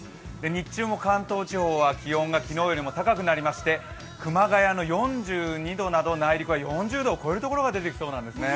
日中も関東地方は気温が昨日よりも高くなりまして熊谷の４２度など内陸は４０度を超えるところが出そうなんですね。